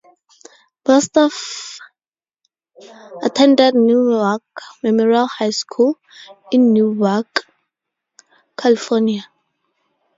Bostaph attended Newark Memorial High School, in Newark, California.